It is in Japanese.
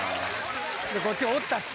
こっちおったし。